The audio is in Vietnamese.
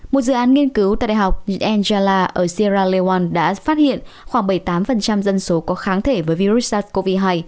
một dự án nghiên cứu tại đại học angela ở sierra leonaron đã phát hiện khoảng bảy mươi tám dân số có kháng thể với virus sars cov hai